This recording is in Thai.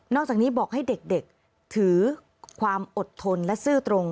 จากนี้บอกให้เด็กถือความอดทนและซื่อตรง